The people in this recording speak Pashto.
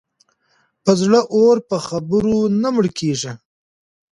د زړه اور په خبرو نه مړ کېږي.